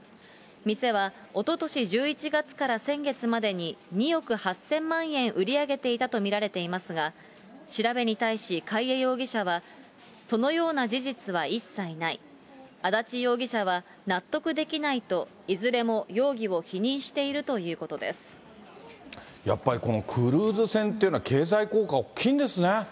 店はおととし１１月から先月までに２億８０００万円売り上げていたと見られていますが、調べに対し、貝江容疑者は、そのような事実は一切ない、安達容疑者は納得できないといずれも容疑を否認しているというこやっぱりこの、クルーズ船っていうのは、経済効果大きいんですね。